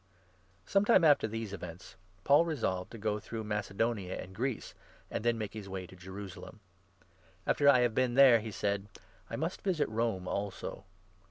Sometime after these events Paul resolved to 21 ^o'viait"1* S° through Macedonia and Greece, and then Jerusalem make his way to Jerusalem. "And after I have and Rome. \^en there," he said, " I must visit Rome also."